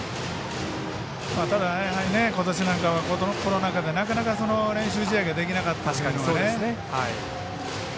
ただ、ことしなんかはコロナ禍で、なかなか練習試合ができなかったりね。